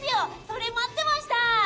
それ待ってました！